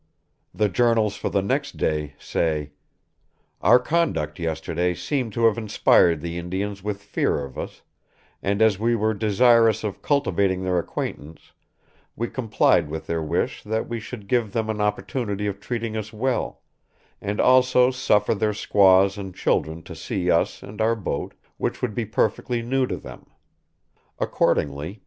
The journals for the next day say: "Our conduct yesterday seemed to have inspired the Indians with fear of us, and as we were desirous of cultivating their acquaintance, we complied with their wish that we should give them an opportunity of treating us well, and also suffer their squaws and children to see us and our boat, which would be perfectly new to them. Accordingly